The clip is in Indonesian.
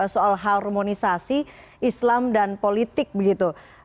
soal harmonisasi islam dan politik begitu